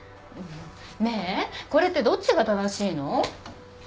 ねえこれってどっちが正しいの？